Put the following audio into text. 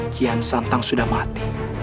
kian santang sudah mati